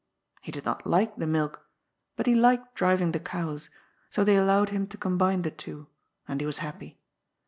He did not like the milk, but he liked driving the cows, so they allowed him to combine the two, and he was happy.